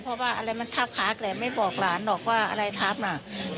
เพราะว่าอะไรมันทับทักแหละไม่บอกหลานหรอกว่าอะไรทับน่ะ